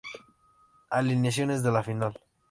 Alineaciones de la final